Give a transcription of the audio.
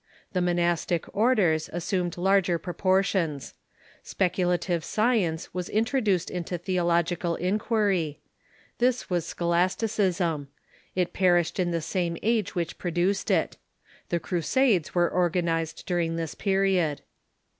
The monastic orders assumed larger proportions. Sjieculative science was introduced into theo logical inquir}^ This was Scholasticism. It perished in the same age which produced it. The Crusades were organized during this period.